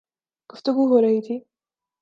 گفتگو ہو رہی تھی